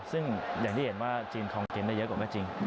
ซึ่งอย่างที่เห็นว่าจีนคองเทนต์ได้เยอะกว่าแม่จริง